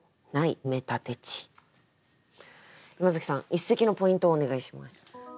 一席のポイントをお願いします。